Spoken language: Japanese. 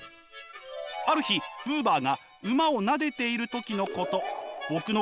ある日ブーバーが馬をなでている時のこと。